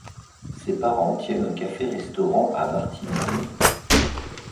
Ses parents tiennent un café-restaurant à Martigny.